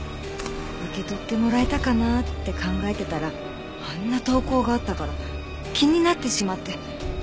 受け取ってもらえたかなって考えてたらあんな投稿があったから気になってしまって。